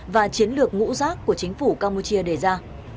và chiến lược ngũ rác của chính phủ campuchia đề ra